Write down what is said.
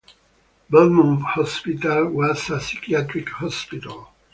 Belmont Hospital was a psychiatric hospital.